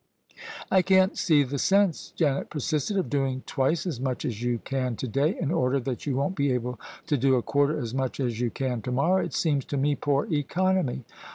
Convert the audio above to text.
" I can't see the sense," Janet persisted, " of doing twice as much as you can to day in order that you won't be able to do a quarter as much as you can to morrow. It seems to me poor economy."